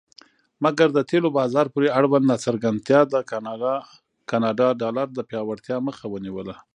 مګر د تیلو بازار پورې اړوند ناڅرګندتیا د کاناډا ډالر د پیاوړتیا مخه ونیوله.